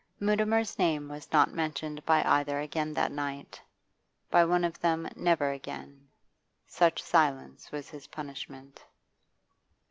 Mutimer's name was not mentioned by either again that night, by one of them never again. Such silence was his punishment.